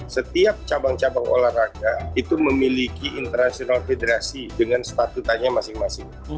setiap cabang cabang olahraga itu memiliki internasional federation dengan statutannya masing masing